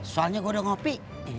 soalnya saya sudah kopi